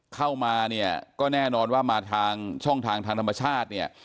เข้ามาเนี่ยก็แน่นอนว่ามาทางช่องทางทางธรรมชาติเนี่ย